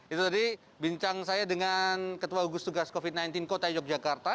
itu tadi bincang saya dengan ketua gugus tugas covid sembilan belas kota yogyakarta